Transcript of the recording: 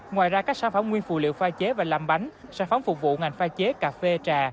ngoài ra các sản phẩm nguyên phụ liệu pha chế và làm bánh sản phẩm phục vụ ngành pha chế cà phê trà